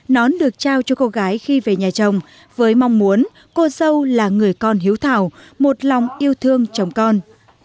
nón được trao cho cô gái khi về nhà chồng với mong muốn cô dâu là người con hiếu thảo một lòng yêu thương chồng con